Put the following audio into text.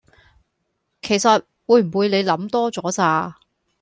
其實會唔會你諗多咗咋？